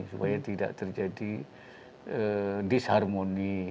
supaya tidak terjadi disharmony